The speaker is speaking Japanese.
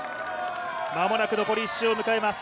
間もなく残り１周を迎えます